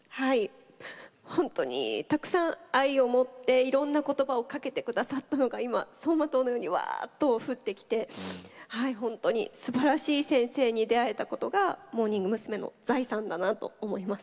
本当にたくさん愛をもっていろんな言葉をかけてくださったのが今、走馬灯のようにわーっとふってきて本当にすばらしい先生に出会えたことがモーニング娘。の財産だなと思います。